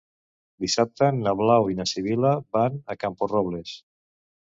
Dissabte na Blau i na Sibil·la van a Camporrobles.